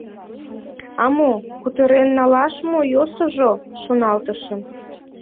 «А мо, кутырен налаш мо йӧсыжӧ, — шоналтышым.